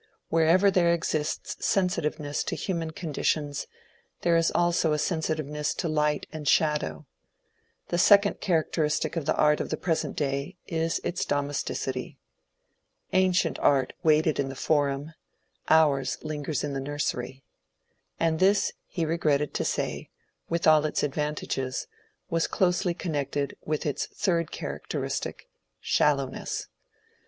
Wherever there exists sensitiveness to human conditions there is also a sensi tiveness to light and shadow. The second characteristic of the art of the present day is its domesticity. Ancient art waited in the forum, ours lingers in the nursery. And this, he re gretted to say, with all its advantages, was closely connected with its third characteristic, — shallowness.